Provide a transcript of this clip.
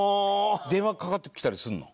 電話かかってきたりするの？